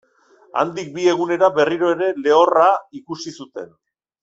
Handik bi egunera berriro ere lehorra ikusi zuten.